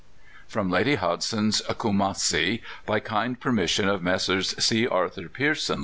From Lady Hodgson's "Kumassi," by kind permission of Messrs. C. Arthur Pearson, Ltd.